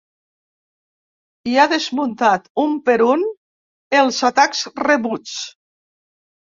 I ha desmuntat, un per un, els atacs rebuts.